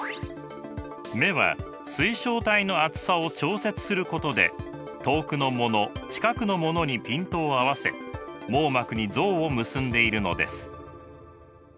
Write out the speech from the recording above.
目は水晶体の厚さを調節することで遠くのもの近くのものにピントを合わせ網膜に像を結んでいるのです。